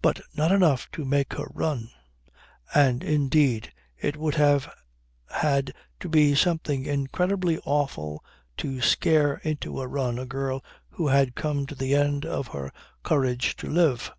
But not enough to make her run. And indeed it would have had to be something incredibly awful to scare into a run a girl who had come to the end of her courage to live.